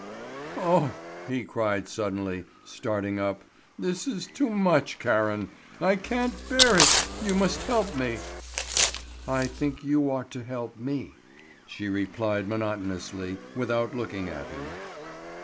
"Oh!" he cried suddenly, starting up, "this is too much, Karen! I can't bear it; you must help me!" "I think you ought to help me," she replied monotonously, without looking at him.